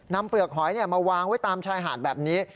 เปลือกหอยมาวางไว้ตามชายหาดแบบนี้